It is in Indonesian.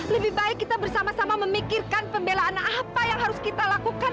lebih baik kita bersama sama memikirkan pembelaan apa yang harus kita lakukan